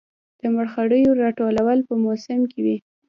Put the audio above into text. د مرخیړیو راټولول په موسم کې وي